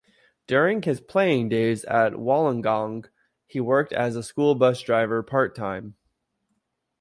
During his playing days at Wollongong he worked as a School Bus driver part-time.